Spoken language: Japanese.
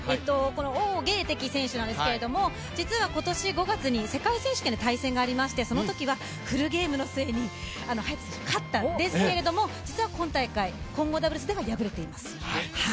王ゲイ迪選手なんですけど、実は今年５月に世界選手権で対戦がありまして、そのときはフルゲームの末に早田選手、勝ったんですけれども実は今大会、混合ダブルスでも敗れています。